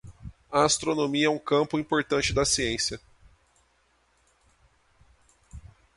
A astronomia é um campo importante da ciência.